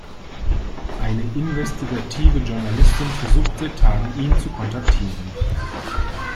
Eine investigative Journalistin versucht seit Tagen, ihn zu kontaktieren.